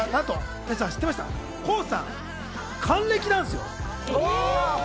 皆さん、ＫＯＯさん、還暦なんすよ。